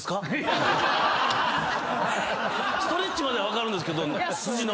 ストレッチまでは分かるんですけど筋伸ばして。